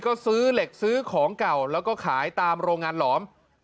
ก็ซื้อเหล็กซื้อของเก่าแล้วก็ขายตามโรงงานหลอม